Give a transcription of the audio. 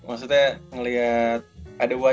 maksudnya ngeliat ada di box dua box